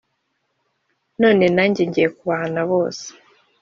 none nanjye ngiye kubahana bose.